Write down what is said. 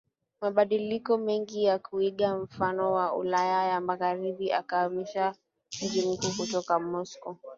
mabadiliko mengi ya kuiga mfano wa Ulaya ya Magharibi akahamisha mji mkuu kutoka Moscow